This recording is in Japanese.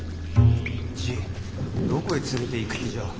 じいどこへ連れていく気じゃ。